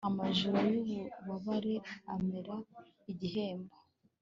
amajoro y'ububabare ambera igihembo